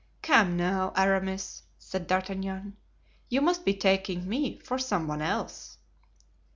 "Come, now, Aramis," said D'Artagnan, "you must be taking me for some one else."